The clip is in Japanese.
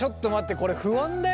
これ不安だよ。